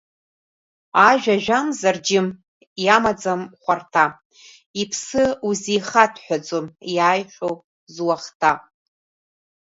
Ажәа жәамзар, џьым, иамаӡам хәарҭа, иԥсы узихаҭәҳәаӡом иааихьоу зуахҭа.